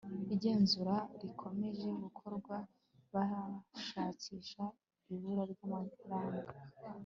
igenzura rikomeje gukorwa bashakisha ibura ry'amaranga